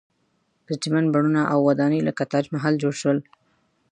پرتمین بڼونه او ودانۍ لکه تاج محل جوړ شول.